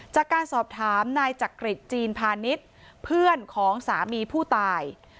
จากการสอบถามนายจักริจจีนพาณิชย์เพื่อนของสามีผู้ตาย